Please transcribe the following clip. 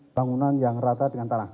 bangunan yang rata dengan tanah